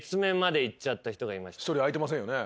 １人あいてませんよね。